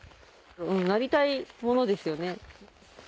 なりたいものですよね。